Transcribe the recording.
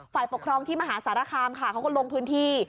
ฝ่ายปกครองที่มหาสารคามค่ะเขาก็ลงพื้นที่